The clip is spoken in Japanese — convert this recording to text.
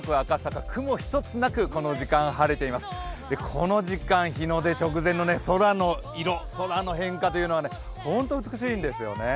この時間、日の出直前の空の色、空の変化というのはホント美しいんですよね。